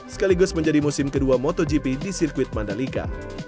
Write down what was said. sekaligus menjadi musim kedua motogp di sirkuit mandalika